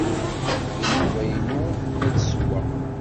D nnuba-inu ad ssewweɣ.